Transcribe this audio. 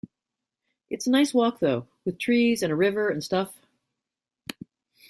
It's a nice walk though, with trees and a river and stuff.